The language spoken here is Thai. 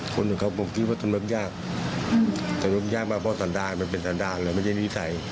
คนอย่างเขาผมคิดว่าสนุกยากสนุกยากมากเพราะสันดากมันเป็นสันดากเลยไม่ใช่นิสัย